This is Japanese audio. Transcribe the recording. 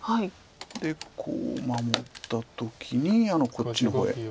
でこう守った時にこっちの方へ。